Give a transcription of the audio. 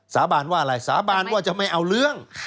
สาบานว่าอะไรสาบานว่าจะไม่เอาเรื่อง